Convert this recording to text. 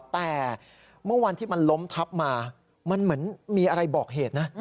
แต่เมื่อวันที่มันล้มทับมามันเหมือนมีอะไรบอกเหตุนะ